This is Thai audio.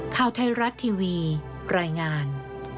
ข่าวไทยรัฐทีวีรายงาน